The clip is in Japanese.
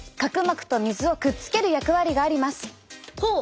ほう。